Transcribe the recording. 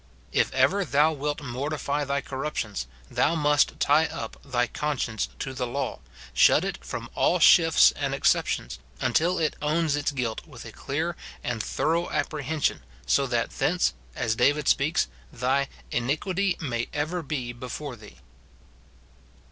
If ever thou wilt mortify thy corruptions, thou must tie up thy conscience to the law, shut it from all shifts and excep tions, until it owns its guilt with a clear and thorough 250 MORTIFICATION OF apprehension ; so tliat thence, as David speaks, thy " in iquity may ever be before thee."